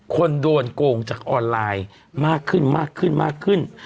คนโดนโกงจากออนไลน์มากขึ้นมากขึ้นมากขึ้นมากขึ้น